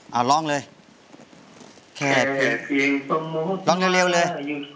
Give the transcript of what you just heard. เอาร่องเลยร่องเร็วเลย